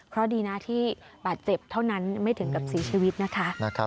เพราะดีนะที่บาดเจ็บเท่านั้นไม่ถึงกับเสียชีวิตนะคะ